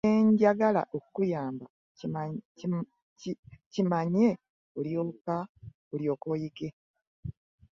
Kye njagala okukuyamba kimanye olyoke oyige.